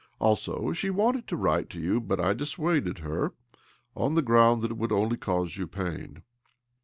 Also, she wanted to write to you, but I dissuaded her on the ground that it would only cause you pain."